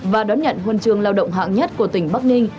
và đón nhận huân trường lao động hạng nhất của tỉnh bắc ninh